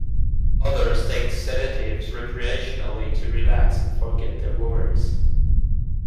Others take sedatives recreationally to relax and forget their worries.